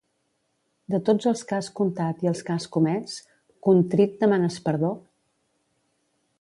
De tots els que has contat i els que has comès, contrit demanes perdó?